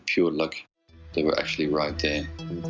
พวกเขาอยู่ที่นั่น